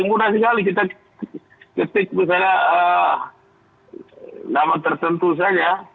mudah sekali kita ketik misalnya nama tertentu saja